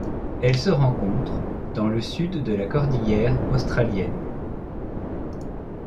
Elle se rencontre dans le Sud de la cordillère australienne.